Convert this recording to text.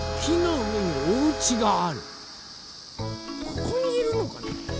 ここにいるのかな？